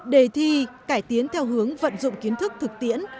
đề thi cải tiến theo hướng vận dụng kiến thức thực tiễn